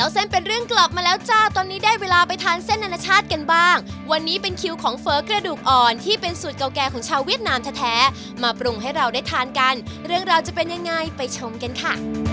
สุดเก่าแก่ของชาวเวียดนามแท้มาปรุงให้เราได้ทานกันเรื่องเราจะเป็นยังไงไปชมกันค่ะ